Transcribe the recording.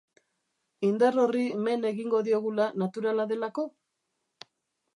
Indar horri men egingo diogula naturala delako?